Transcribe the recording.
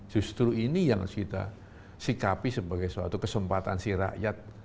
justru ini yang harus kita sikapi sebagai suatu kesempatan si rakyat